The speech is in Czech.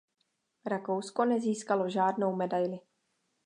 Rakousko nezískalo žádnou medaili.